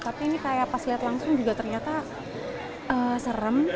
tapi ini kayak pas liat langsung juga ternyata serem